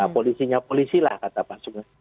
polisinya polisi lah kata pak sugeng